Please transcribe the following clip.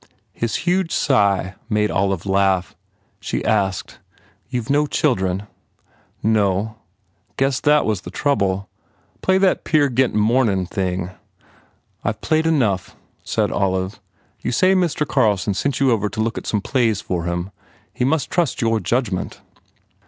His huge sigh made Olive laugh. She asked, "You ve no children?" "No. Guess that was the trouble. Play that Peer Gynt Mornin thing." "I ve played enough," said Olive. "You say Mr. Carlson sent you over to look at some plays for him? He must trust your judgment."